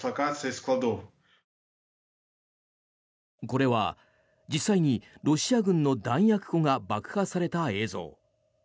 これは実際にロシア軍の弾薬庫が爆破された映像。